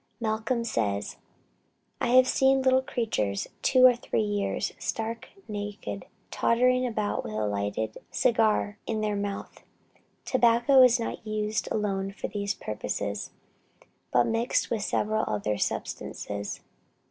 Malcom says, "I have seen little creatures of two or three years, stark naked, tottering about with a lighted cigar in their mouth." Tobacco is not used alone for these purposes, but mixed with several other substances.